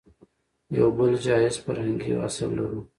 يو بل جايز فرهنګي اصل لرو